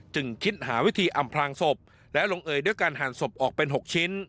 จึงคิดหาวิธีอำพลางศพและลงเอยด้วยการหั่นศพออกเป็น๖ชิ้น